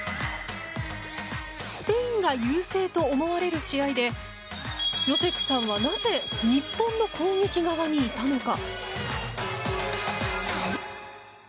スペインが優勢と思われる試合でヨセクさんはなぜ日本の攻撃側にいたのか。